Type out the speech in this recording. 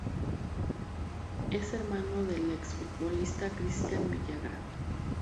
Es hermano del ex-futbolista Cristian Villagra.